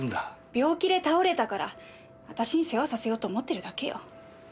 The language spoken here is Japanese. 病気で倒れたから私に世話させようと思ってるだけよ。